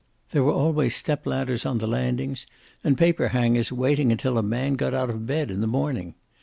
There were always stepladders on the landings, and paper hangers waiting until a man got out of bed in the morning.